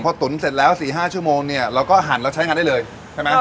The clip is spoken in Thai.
พอตุ๋นเสร็จแล้ว๔๕ชั่วโมงเนี่ยเราก็หั่นเราใช้งานได้เลยใช่ไหม